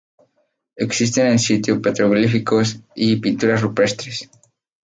Existen en el sitio petroglifos y pinturas rupestres.